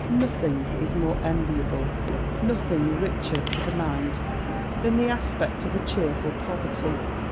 Nothing is more enviable, nothing richer to the mind, than the aspect of a cheerful poverty.